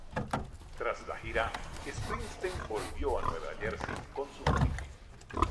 Tras la gira, Springsteen volvió a Nueva Jersey con su familia.